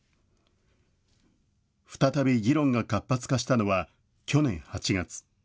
再び議論が活発化したのは去年８月。